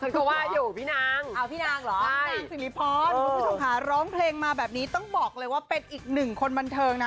คุณท่อบอาหารร้องเพลงมาแบบนี้ต้องบอกเลยว่าเป็นอีกหนึ่งคนบันเทิงนะ